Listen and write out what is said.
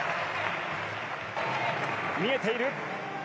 見えている。